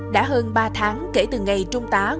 đã hơn ba tháng kể từ ngày trung tá nguyễn xuân hà